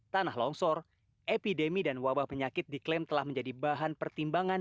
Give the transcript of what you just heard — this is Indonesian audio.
tanah longsor epidemi dan wabah penyakit diklaim telah menjadi bahan pertimbangan